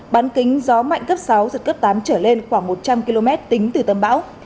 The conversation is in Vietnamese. bán kính gió mạnh cấp sáu giật cấp tám trở lên khoảng một trăm linh km tính từ tâm bão